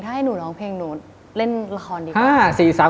ถ้าให้หนูร้องเพลงหนูเล่นละครดีกว่า